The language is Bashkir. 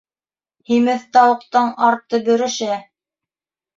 Һимеҙ тауыҡтың арты бөрөшә.